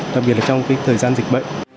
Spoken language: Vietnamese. đặc biệt là trong thời gian dịch bệnh